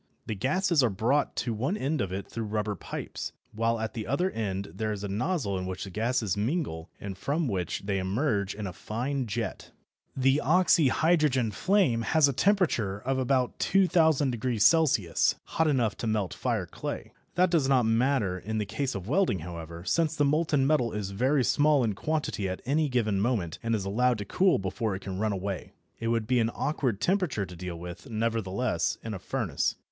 The gases are brought to one end of it through rubber pipes, while at the other end there is a nozzle in which the gases mingle and from which they emerge in a fine jet. The oxyhydrogen flame has a temperature of about 2000° C., hot enough to melt fire clay. That does not matter in the case of welding, however, since the molten metal is very small in quantity at any given moment, and is allowed to cool before it can run away. It would be an awkward temperature to deal with, nevertheless, in a furnace.